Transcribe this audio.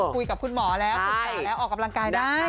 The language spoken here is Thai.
คุยกับคุณหมอแล้วออกกำลังกายได้